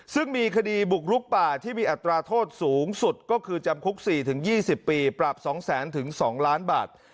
ซึ่งมีคดีบุกลุกป่าที่มีอัตราโทษสูงสุดก็คือจำคุก๔๒๐ปีปรับ๒๐๐๐๒ล้านบาท